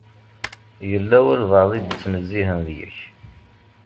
Yella walebɛaḍ i d-ittnezzihen deg-k.